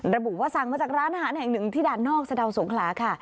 ระบุว่าสั่งมาจากร้านอาหารแห่งหนึ่งที่ด่านนอกสะดาวสงขลาค่ะ